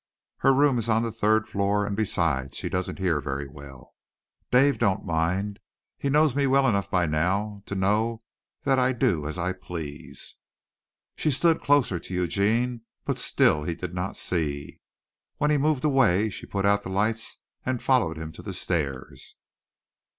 "Her room is on the third floor and besides she doesn't hear very well. Dave don't mind. He knows me well enough by now to know that I do as I please." She stood closer to Eugene but still he did not see. When he moved away she put out the lights and followed him to the stairs.